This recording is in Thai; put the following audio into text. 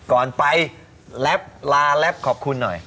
ก่อนไปลาลับขอบคุณหน่อย